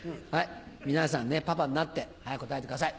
皆さんねパパになって答えてください。